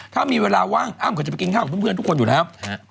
ถ้ามีเวลาว่างอ้ำก็จะไปกินข้าวกับเพื่อนทุกคนอยู่แล้ว